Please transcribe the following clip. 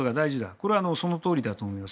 これはそのとおりだと思います。